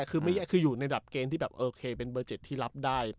คือไม่แย่คืออยู่ในแบบเกรงที่แบบเป็นเบอร์เซ็ทที่รับได้